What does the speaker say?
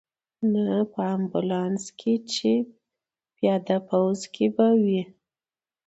نه په امبولانس کې، چې په پیاده پوځ کې به وې.